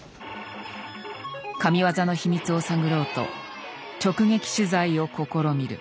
神業の秘密を探ろうと直撃取材を試みる。